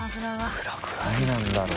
いくらぐらいなんだろう？